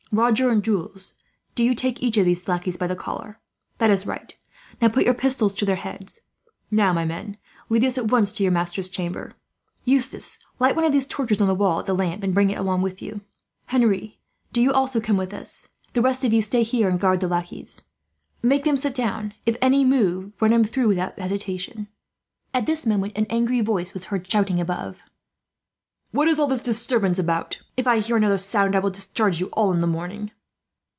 "Roger and Jules, do you take each one of these lackeys by the collar. That is right. Now, put your pistols to their heads. "Now, my men, lead us at once to your master's chamber. "Eustace, light one of these torches on the wall at the lamp, and bring it along with you. "Henri, do you also come with us. "The rest of you stay here, and guard these lackeys. Make them sit down. If any of them move, run him through without hesitation." At this moment an angry voice was heard shouting above. "What is all this disturbance about! If I hear another sound, I will discharge you all in the morning."